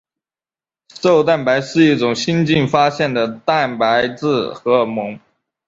瘦蛋白是一种新近发现的蛋白质荷尔蒙。